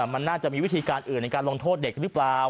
มันน่าจะมีวิธีการอื่นในการลงโทษเด็กหรือเปล่า